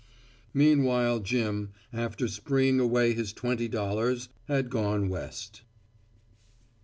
Meanwhile Jim, after spreeing away his twenty dollars, had gone West.